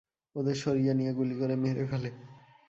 ওদের সরিয়ে নিয়ে গুলি করে মেরে ফেলে।